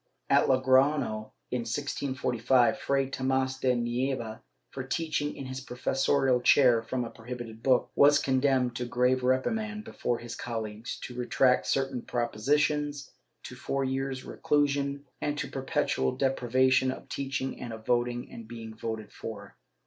^ At Logroiio, in 1645, Fray Tomas de Nieva, for teaching in his professorial chair from a prohibited book, was condemned to grave reprimand before his colleagues, to retract certain propositions, to four years' reclusion, and to perpetual deprivation of teaching and of voting and being voted for.